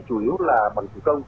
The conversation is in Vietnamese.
chủ yếu là